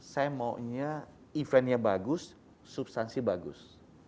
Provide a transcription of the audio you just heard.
saya maunya eventnya bagus substansi bagus